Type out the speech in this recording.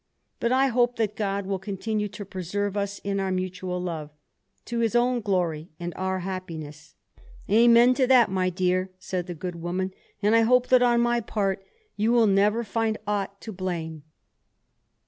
But I hope that God will continue to preserve us in our mutual love, to His own glory and our happiness." "Amen to that, my dear," said the good woman, "and I hope that on my part you will never find aught to blame."